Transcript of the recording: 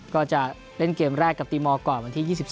ก็จะเล่นเกมแรกกับตีมอร์ก่อนวันที่๒๒